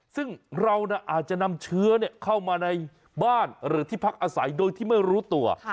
ซึ่งเราอาจจะนำเชื้อเข้ามาในบ้านหรือที่พักอาศัยโดยที่ไม่รู้ตัว